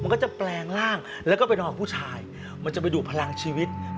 ก็ได้นอกว่าผู้ชายมันจะไปดูดพลังชีวิต